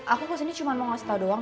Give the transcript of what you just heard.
aku kesini cuma mau ngasih tau doang